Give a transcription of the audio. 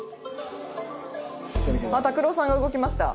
拓郎さんが動きました。